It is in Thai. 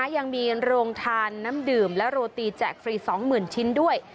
ยังมีโรงทานน้ำดื่มและโรตีแจกฟรี๒๐๐๐ชิ้นด้วย